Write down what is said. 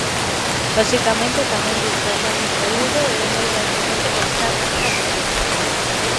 Loxicamente, tamén lles traslado un saúdo e o meu agradecemento por estar nesta sesión.